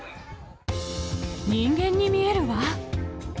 人間に見えるわ。